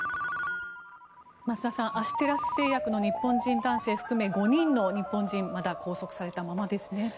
増田さんアステラス製薬の日本人男性含め５人の日本人まだ拘束されたままですね。